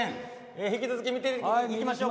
引き続き見ていきましょう。